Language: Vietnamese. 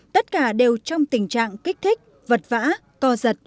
tất cả đều trong tình trạng kích thích vật vã